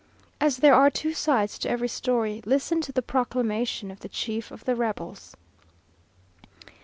As there are two sides to every story, listen to the proclamation of the chief of the rebels.